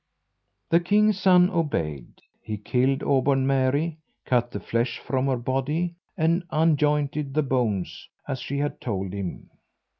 The king's son obeyed. He killed Auburn Mary, cut the flesh from her body, and unjointed the bones, as she had told him.